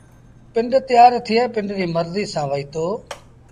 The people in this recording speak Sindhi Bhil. پنڊ تيآر ٿئي پنڊريٚ مرزيٚ سآݩٚ وهيٚتو